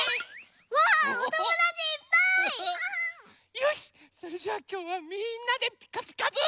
よしそれじゃあきょうはみんなで「ピカピカブ！」。